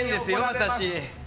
私。